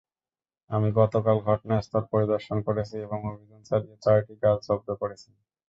আমি গতকাল ঘটনাস্থল পরিদর্শন করেছি এবং অভিযান চালিয়ে চারটি গাছ জব্দ করেছি।